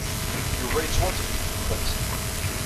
Yuba yettwaṭṭef deg tefxet.